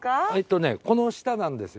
ねこの下なんですよ。